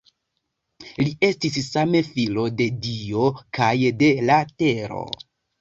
Li estis same filo de dio kaj de la tero.